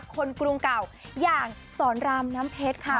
กรุงเก่าอย่างสอนรามน้ำเพชรค่ะ